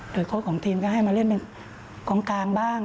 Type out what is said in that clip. โดยโค้ดของทีมก็ให้มาเล่นเป็นกองกลางบ้าง